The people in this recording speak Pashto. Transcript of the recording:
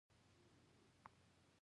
دا به ډېره حیرانوونکې وي.